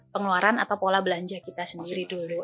pengeluaran atau pola belanja kita sendiri dulu